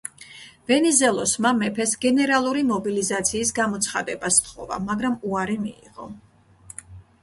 ვენიზელოსმა მეფეს გენერალური მობილიზაციის გამოცხადება სთხოვა, მაგრამ უარი მიიღო.